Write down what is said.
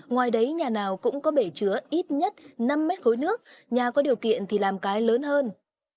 ngoài đấy nhà nào cũng có bể chứa ít nhất năm mét khối nước nhà có điều kiện thì làm cái lớn hơn